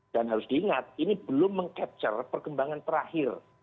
dan harus diingat ini belum meng capture perkembangan terakhir